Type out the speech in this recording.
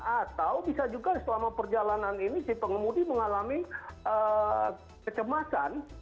atau bisa juga selama perjalanan ini si pengemudi mengalami kecemasan